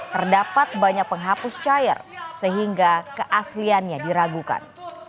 terdapat banyak penghapus cair sehingga keasliannya diragukan